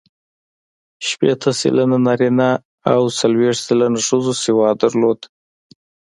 شپېته سلنه نارینه او څلوېښت سلنه ښځو سواد درلود.